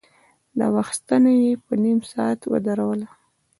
د وخت ستنه يې په نيم ساعت ودروله.